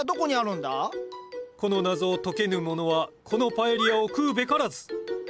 この謎を解けぬ者はこのパエリアを食うべからず！